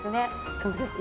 そうですね。